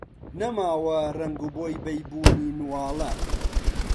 نەماوە ڕەنگ و بۆی بەیبوونی نواڵە